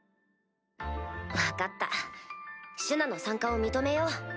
分かったシュナの参加を認めよう。